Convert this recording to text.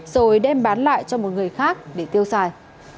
rồi đem bán lại cho một người khác để tiêu xài